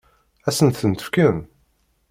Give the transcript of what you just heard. Ad sent-ten-fken?